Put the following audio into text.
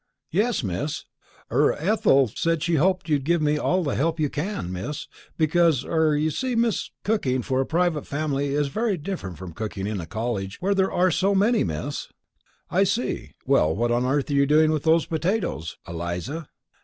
"Yes, Miss. Er Ethel said she hoped you'd give me all the help you can, Miss, because er, you see, Miss, cooking for a private family is very different from working in a college where there are so many, Miss." "I see. Well what on earth are you doing to those potatoes, Eliza?"